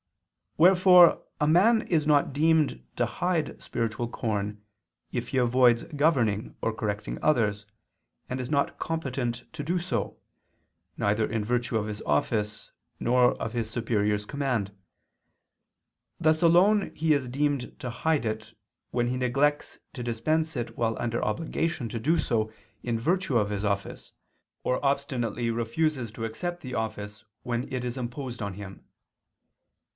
Wherefore a man is not deemed to hide spiritual corn if he avoids governing or correcting others, and is not competent to do so, neither in virtue of his office nor of his superior's command; thus alone is he deemed to hide it, when he neglects to dispense it while under obligation to do so in virtue of his office, or obstinately refuses to accept the office when it is imposed on him.